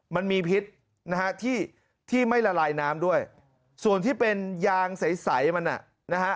มันมีพิษนะฮะที่ที่ไม่ละลายน้ำด้วยส่วนที่เป็นยางใสมันนะฮะ